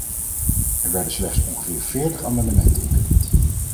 Er werden slechts ongeveer veertig amendementen ingediend.